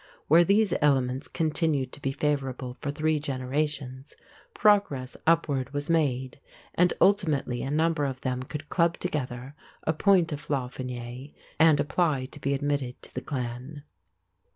Where these elements continued to be favorable for three generations, progress upward was made; and ultimately a number of them could club together, appoint a flaithfine, and apply to be admitted to the clan.